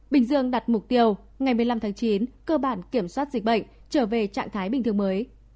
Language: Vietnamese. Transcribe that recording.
bình dương đặt mục tiêu ngày một mươi năm tháng chín cơ bản kiểm soát dịch bệnh trở về trạng thái bình thường mới